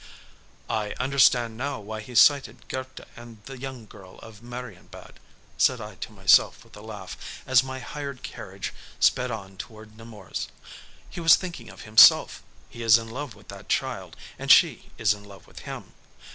"I understand now why he cited Goethe and the young girl of Marienbad," said I to myself with a laugh, as my hired carriage sped on toward Nemours. "He was thinking of himself. He is in love with that child, and she is in love with him.